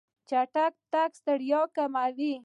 چټک تګ ستړیا کموي.